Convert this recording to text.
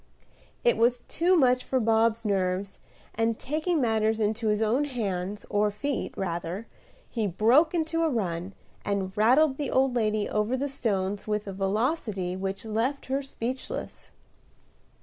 It was too much for Bob's nerves; and, taking matters into his own hands, or feet, rather, he broke into a run, and rattled the old lady over the stones with a velocity which left her speechless.